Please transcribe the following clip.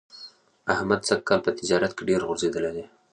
احمد سږ کال په تجارت کې ډېر غورځېدلی دی.